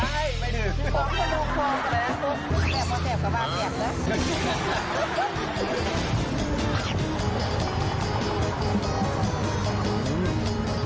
เฮ้ยไม่ถึงของกระโดควงกันแล้วแบบว่าแบบกระบาดแบบแล้ว